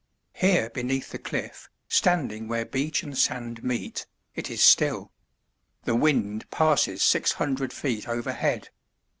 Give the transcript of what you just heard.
Here beneath the cliff, standing where beach and sand meet, it is still; the wind passes six hundred feet overhead.